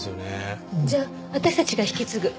じゃあ私たちが引き継ぐ。